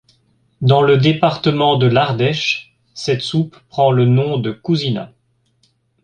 Dans le département de l'Ardèche, cette soupe prend le nom de cousina.